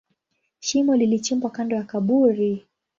Shimo lilichimbwa kando ya kaburi.